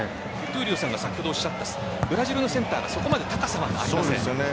闘莉王さんが先ほどおっしゃったブラジルのセンターがそこまで高さがない